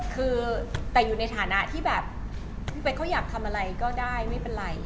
คือแต่อยู่ในฐานะที่แบบพี่เป๊กเขาอยากทำอะไรก็ได้ไม่เป็นไร